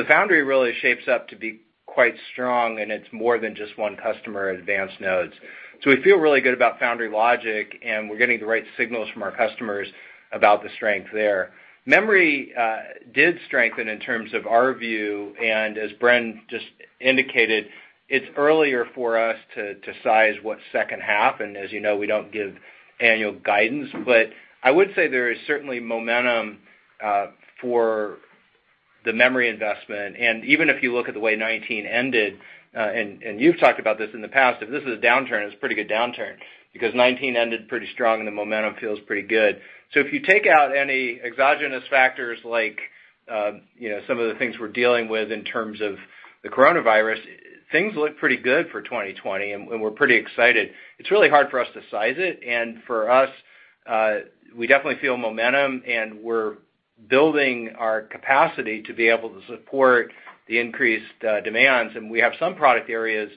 Foundry really shapes up to be quite strong, and it's more than just one customer advanced nodes. We feel really good about foundry logic, and we're getting the right signals from our customers about the strength there. Memory did strengthen in terms of our view, and as Bren just indicated, it's earlier for us to size what's second half, and as you know, we don't give annual guidance. I would say there is certainly momentum for the memory investment, even if you look at the way 2019 ended, and you've talked about this in the past, if this is a downturn, it's a pretty good downturn because 2019 ended pretty strong and the momentum feels pretty good. If you take out any exogenous factors like some of the things we're dealing with in terms of the coronavirus, things look pretty good for 2020, and we're pretty excited. It's really hard for us to size it, and for us, we definitely feel momentum, and we're building our capacity to be able to support the increased demands. We have some product areas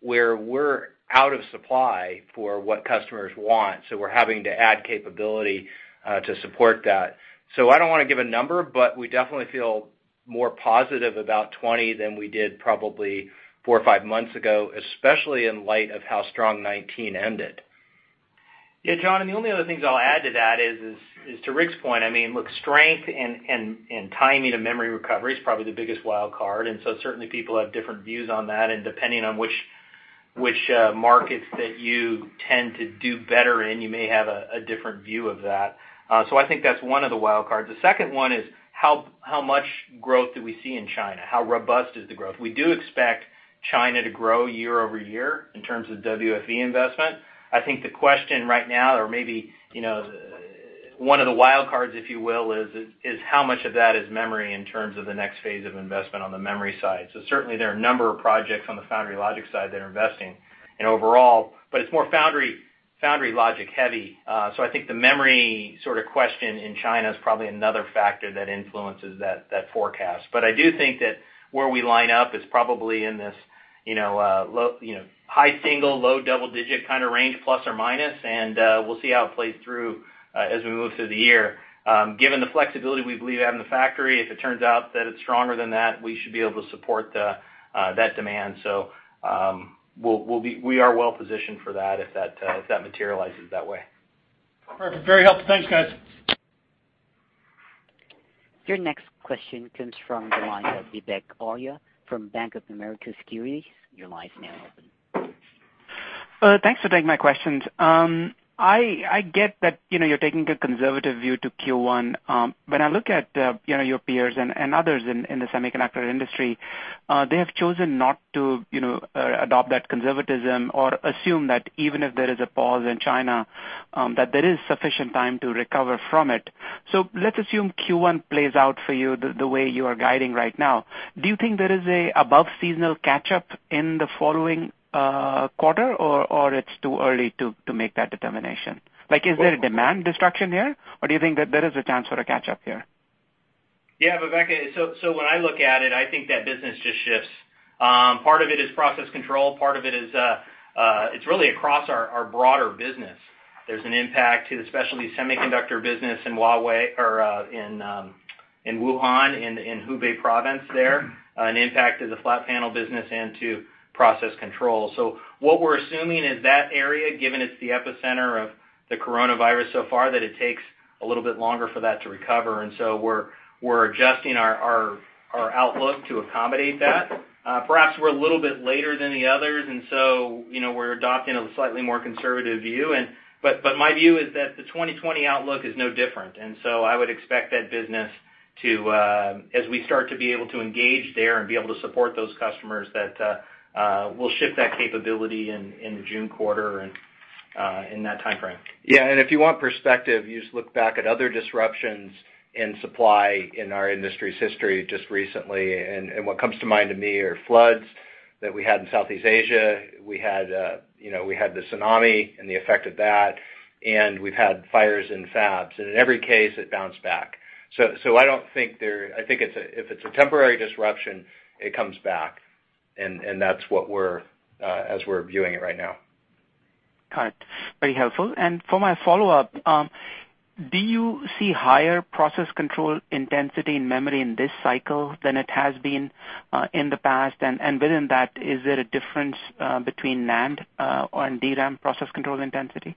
where we're out of supply for what customers want, so we're having to add capability to support that. I don't want to give a number, but we definitely feel more positive about 2020 than we did probably four or five months ago, especially in light of how strong 2019 ended. Yeah, John, the only other things I'll add to that is to Rick's point, I mean, look, strength and timing of memory recovery is probably the biggest wild card. Certainly people have different views on that, and depending on which markets that you tend to do better in, you may have a different view of that. I think that's one of the wild cards. The second one is how much growth do we see in China? How robust is the growth? We do expect China to grow year-over-year in terms of WFE investment. I think the question right now or maybe one of the wild cards, if you will, is how much of that is memory in terms of the next phase of investment on the memory side. Certainly there are a number of projects on the foundry logic side that are investing in overall, but it's more foundry logic heavy. I think the memory sort of question in China is probably another factor that influences that forecast. I do think that where we line up is probably in this high single, low double-digit kind of range, plus or minus, and we'll see how it plays through as we move through the year. Given the flexibility we believe we have in the factory, if it turns out that it's stronger than that, we should be able to support that demand. We are well-positioned for that if that materializes that way. Perfect. Very helpful. Thanks, guys. Your next question comes from the line of Vivek Arya from Bank of America Securities. Your line is now open. Thanks for taking my questions. I get that you're taking a conservative view to Q1. When I look at your peers and others in the semiconductor industry, they have chosen not to adopt that conservatism or assume that even if there is a pause in China, that there is sufficient time to recover from it. Let's assume Q1 plays out for you the way you are guiding right now. Do you think there is an above-seasonal catch-up in the following quarter, or it's too early to make that determination? Is there a demand destruction here, or do you think that there is a chance for a catch-up here? Yeah, Vivek. When I look at it, I think that business just shifts. Part of it is process control. Part of it is really across our broader business. There's an impact to the specialty semiconductor business in Wuhan, in Hubei province there, an impact to the flat panel business, and to process control. What we're assuming is that area, given it's the epicenter of the coronavirus so far, that it takes a little bit longer for that to recover, we're adjusting our outlook to accommodate that. Perhaps we're a little bit later than the others, we're adopting a slightly more conservative view. My view is that the 2020 outlook is no different. I would expect that business to, as we start to be able to engage there and be able to support those customers, that we'll shift that capability in the June quarter and in that time frame. If you want perspective, you just look back at other disruptions in supply in our industry's history just recently. What comes to mind to me are floods that we had in Southeast Asia. We had the tsunami and the effect of that. We've had fires in fabs. In every case, it bounced back. I think if it's a temporary disruption, it comes back, and that's as we're viewing it right now. Got it. Very helpful. For my follow-up, do you see higher process control intensity in memory in this cycle than it has been in the past? Within that, is there a difference between NAND or in DRAM process control intensity?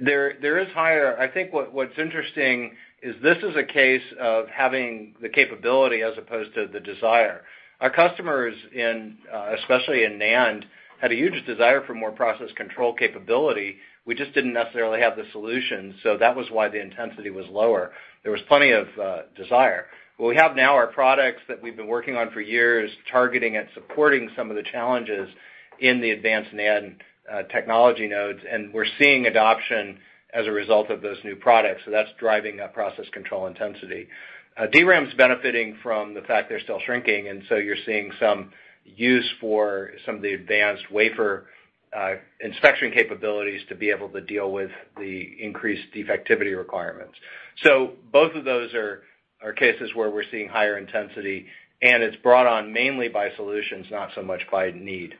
There is higher. I think what's interesting is this is a case of having the capability as opposed to the desire. Our customers, especially in NAND, had a huge desire for more process control capability. We just didn't necessarily have the solution. That was why the intensity was lower. There was plenty of desire. What we have now are products that we've been working on for years, targeting and supporting some of the challenges in the advanced NAND technology nodes, and we're seeing adoption as a result of those new products. That's driving up process control intensity. DRAM's benefiting from the fact they're still shrinking, and so you're seeing some use for some of the advanced wafer inspection capabilities to be able to deal with the increased defectivity requirements. Both of those are cases where we're seeing higher intensity, and it's brought on mainly by solutions, not so much by need.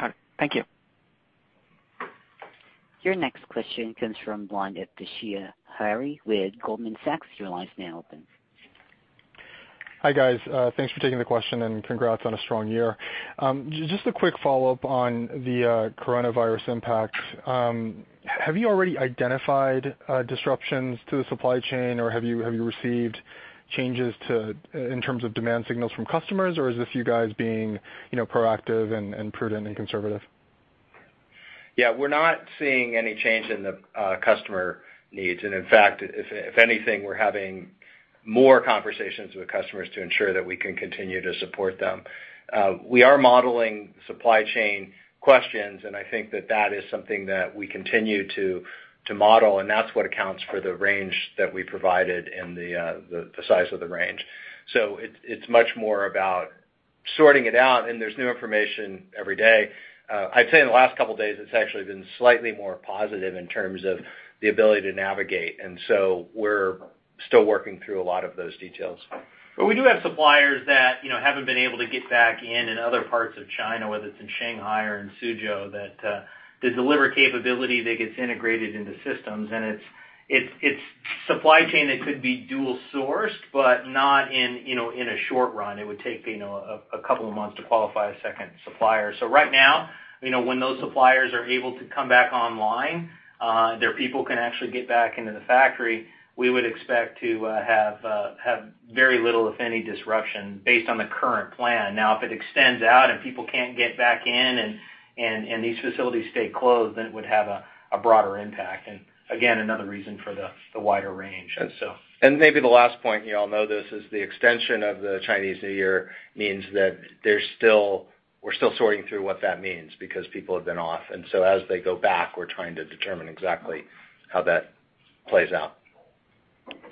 All right. Thank you. Your next question comes from the line of Toshiya Hari with Goldman Sachs. Your line is now open. Hi, guys. Thanks for taking the question and congrats on a strong year. Just a quick follow-up on the coronavirus impact. Have you already identified disruptions to the supply chain, or have you received changes in terms of demand signals from customers, or is this you guys being proactive and prudent and conservative? Yeah. We're not seeing any change in the customer needs. In fact, if anything, we're having more conversations with customers to ensure that we can continue to support them. We are modeling supply chain questions, and I think that that is something that we continue to model, and that's what accounts for the range that we provided and the size of the range. It's much more about sorting it out, and there's new information every day. I'd say in the last couple of days, it's actually been slightly more positive in terms of the ability to navigate, we're still working through a lot of those details. We do have suppliers that haven't been able to get back in in other parts of China, whether it's in Shanghai or in Suzhou, that the delivery capability that gets integrated into systems, and it's supply chain that could be dual-sourced, but not in a short run. It would take a couple of months to qualify a second supplier. Right now, when those suppliers are able to come back online, their people can actually get back into the factory, we would expect to have very little, if any, disruption based on the current plan. Now, if it extends out and people can't get back in and these facilities stay closed, then it would have a broader impact. Again, another reason for the wider range. Maybe the last point, you all know this, is the extension of the Chinese New Year means that we're still sorting through what that means because people have been off. As they go back, we're trying to determine exactly how that plays out.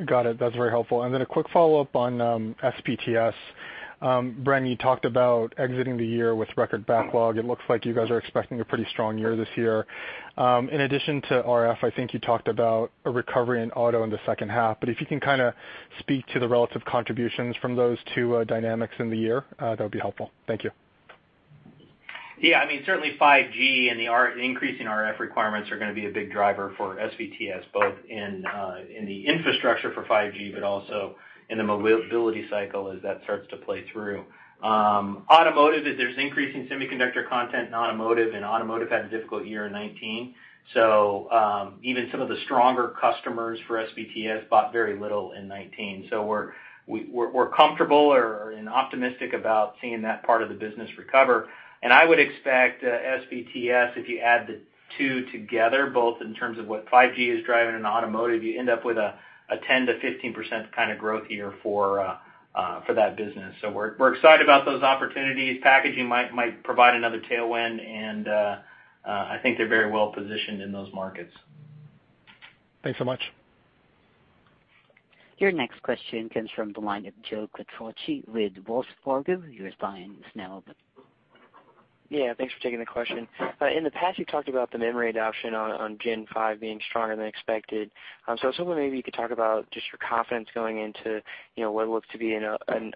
Got it. That's very helpful. Then a quick follow-up on SPTS. Bren, you talked about exiting the year with record backlog. It looks like you guys are expecting a pretty strong year this year. In addition to RF, I think you talked about a recovery in auto in the second half, but if you can kind of speak to the relative contributions from those two dynamics in the year, that would be helpful. Thank you. Certainly 5G and the increasing RF requirements are going to be a big driver for SPTS, both in the infrastructure for 5G, also in the mobility cycle as that starts to play through. Automotive, there's increasing semiconductor content in automotive had a difficult year in 2019. Even some of the stronger customers for SPTS bought very little in 2019. We're comfortable and optimistic about seeing that part of the business recover. I would expect SPTS, if you add the two together, both in terms of what 5G is driving and automotive, you end up with a 10%-15% kind of growth year for that business. We're excited about those opportunities. Packaging might provide another tailwind, I think they're very well-positioned in those markets. Thanks so much. Your next question comes from the line of Joe Quatrochi with Wells Fargo. Your line is now open. Yeah. Thanks for taking the question. In the past, you talked about the memory adoption on Gen 5 being stronger than expected. I was hoping maybe you could talk about just your confidence going into what looks to be an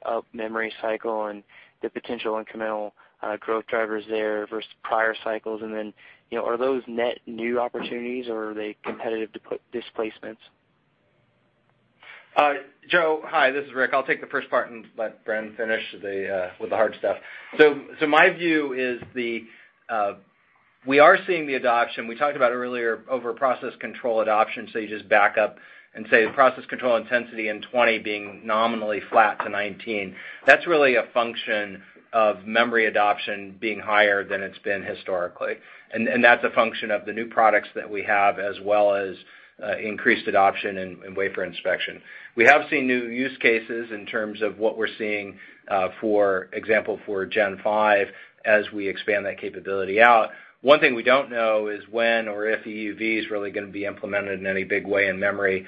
up memory cycle and the potential incremental growth drivers there versus prior cycles. Are those net new opportunities, or are they competitive displacements? Joe, hi. This is Rick. I'll take the first part and let Bren finish with the hard stuff. My view is we are seeing the adoption. We talked about earlier over process control adoption. You just back up and say the process control intensity in 2020 being nominally flat to 2019. That's really a function of memory adoption being higher than it's been historically, and that's a function of the new products that we have, as well as increased adoption in wafer inspection. We have seen new use cases in terms of what we're seeing, for example, for Gen 5 as we expand that capability out. One thing we don't know is when or if EUV is really going to be implemented in any big way in memory,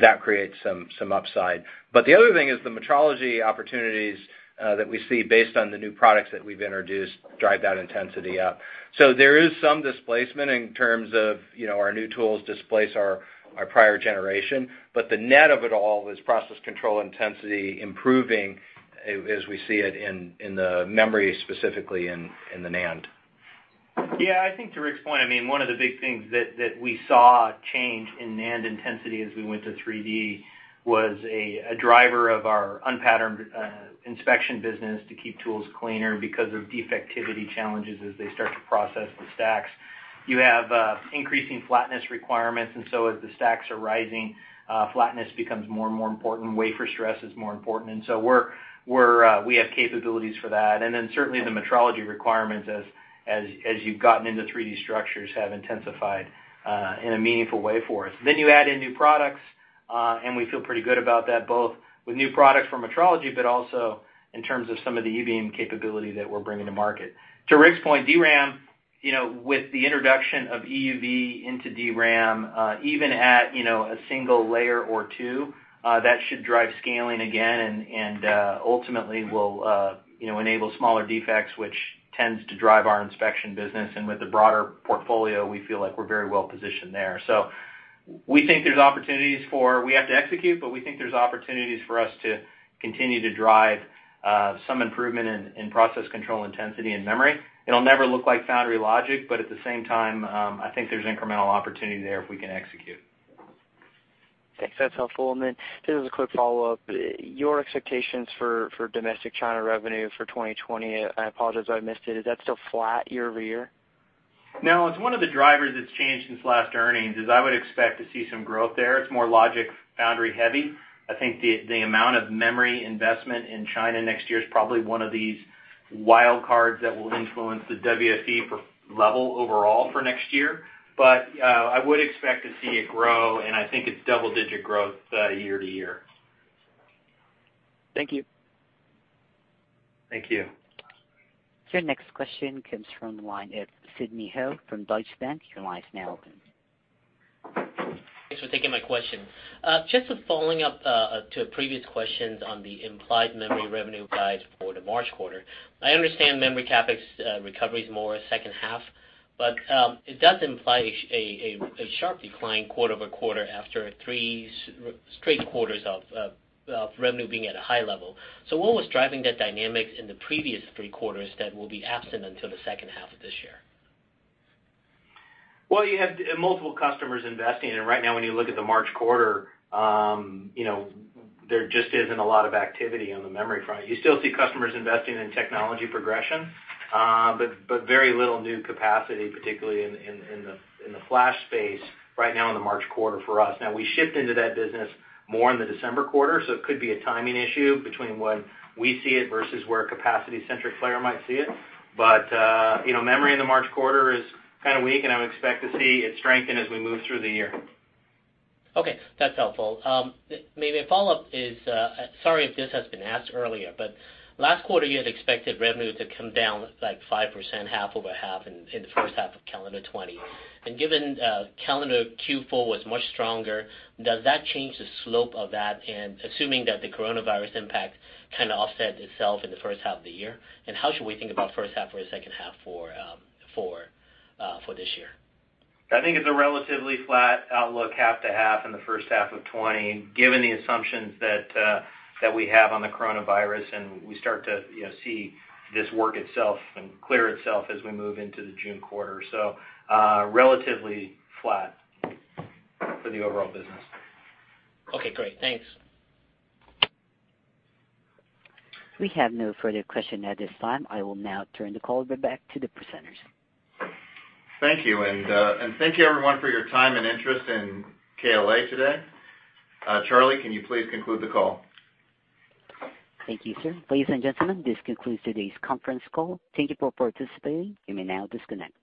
that creates some upside. The other thing is the metrology opportunities that we see based on the new products that we've introduced drive that intensity up. There is some displacement in terms of our new tools displace our prior generation, but the net of it all is process control intensity improving as we see it in the memory, specifically in the NAND. Yeah, I think to Rick's point, one of the big things that we saw change in NAND intensity as we went to 3D was a driver of our unpatterned inspection business to keep tools cleaner because of defectivity challenges as they start to process the stacks. You have increasing flatness requirements, and so as the stacks are rising, flatness becomes more and more important. Wafer stress is more important. We have capabilities for that. Certainly the metrology requirement as you got in the three structures have intensified and meaningful way for it. You add in new products, and we feel pretty good about that, both with new products from metrology, but also in terms of some of the e-beam capability that we're bringing to market. To Rick's point, DRAM, with the introduction of EUV into DRAM, even at a single layer or two, that should drive scaling again, ultimately will enable smaller defects, which tends to drive our inspection business. With a broader portfolio, we feel like we're very well-positioned there. We have to execute, but we think there's opportunities for us to continue to drive some improvement in process control intensity and memory. It'll never look like foundry logic, but at the same time, I think there's incremental opportunity there if we can execute. Thanks. That's helpful. Just as a quick follow-up, your expectations for domestic China revenue for 2020, I apologize if I missed it, is that still flat year-over-year? It's one of the drivers that's changed since last earnings, is I would expect to see some growth there. It's more logic foundry heavy. I think the amount of memory investment in China next year is probably one of these wild cards that will influence the WFE level overall for next year. I would expect to see it grow. I think it's double-digit growth year-to-year. Thank you. Thank you. Your next question comes from the line of Sidney Ho from Deutsche Bank. Your line is now open. Thanks for taking my question. Just following up to previous questions on the implied memory revenue guides for the March quarter. I understand memory CapEx recovery is more second half, but it does imply a sharp decline quarter-over-quarter after three straight quarters of revenue being at a high level. What was driving that dynamic in the previous three quarters that will be absent until the second half of this year? You have multiple customers investing, and right now, when you look at the March quarter, there just isn't a lot of activity on the memory front. You still see customers investing in technology progression, but very little new capacity, particularly in the flash space right now in the March quarter for us. We shipped into that business more in the December quarter, so it could be a timing issue between when we see it versus where a capacity-centric player might see it. Memory in the March quarter is kind of weak, and I would expect to see it strengthen as we move through the year. Okay, that's helpful. Maybe a follow-up is, sorry if this has been asked earlier, but last quarter, you had expected revenue to come down 5%, half over half in the first half of calendar 2020. Given calendar Q4 was much stronger, does that change the slope of that? Assuming that the coronavirus impact kind of offsets itself in the first half of the year, and how should we think about first half versus second half for this year? I think it's a relatively flat outlook, half to half in the first half of 2020, given the assumptions that we have on the coronavirus, we start to see this work itself and clear itself as we move into the June quarter. Relatively flat for the overall business. Okay, great. Thanks. We have no further questions at this time. I will now turn the call back to the presenters. Thank you. Thank you, everyone, for your time and interest in KLA today. Charlie, can you please conclude the call? Thank you, sir. Ladies and gentlemen, this concludes today's conference call. Thank you for participating. You may now disconnect.